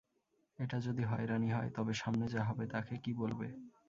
এটা যদি হয়রানি হয়, তবে সামনে যা হবে তাকে কী বলবে?